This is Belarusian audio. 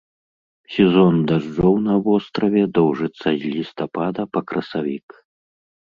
Сезон дажджоў на востраве доўжыцца з лістапада па красавік.